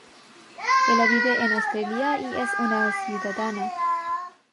Ella vive en Australia y es una ciudadana.